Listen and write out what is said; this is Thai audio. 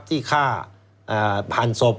ที่ฆ่าพันธุ์ศพ